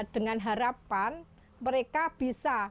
dengan harapan mereka bisa